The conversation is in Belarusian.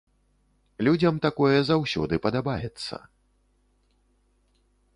Людзям такое заўсёды падабаецца.